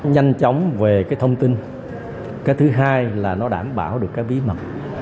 nhanh chóng về cái thông tin cái thứ hai là nó đảm bảo được cái bí mật